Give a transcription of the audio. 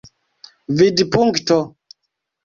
vidpunkto